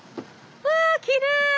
わきれい！